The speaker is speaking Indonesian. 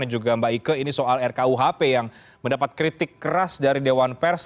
jika ini soal rkuhp yang mendapat kritik keras dari dewan pers